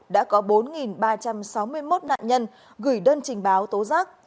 đã có bốn ba trăm sáu mươi một nạn nhân gửi đơn trình báo tố giác